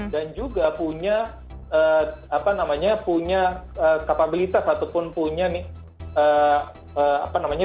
dan juga punya apa namanya punya kapabilitas ataupun punya apa namanya